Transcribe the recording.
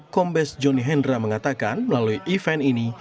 kombes johnny hendra mengatakan melalui event ini